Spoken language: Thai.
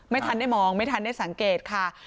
ไม่ทันได้มองไม่ทันได้สังเกตค่ะ